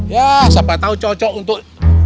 ya siapa tahu cocok untuk